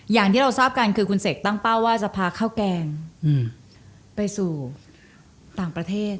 อย่างที่เราทราบกันคือคุณเสกตั้งเป้าว่าจะพาข้าวแกงไปสู่ต่างประเทศ